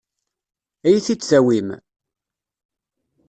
Ad iyi-t-id-tawim?